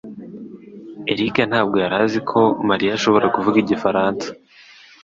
Eric ntabwo yari azi ko Mariya ashobora kuvuga igifaransa.